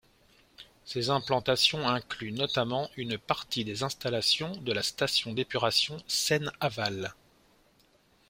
Ces implantations incluent notamment une partie des installations de la station d'épuration Seine-Aval.